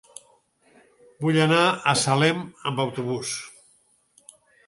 Vull anar a Salem amb autobús.